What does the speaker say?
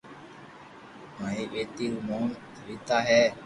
ماري پتني روو نوم سويتا ھي